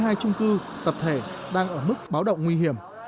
trong đó có ba mươi hai trung cư tập thể đang ở mức báo động nguy hiểm